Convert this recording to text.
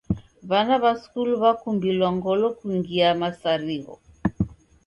W'ana w'a skulu w'akumbilwa ngolo kungia misarigho.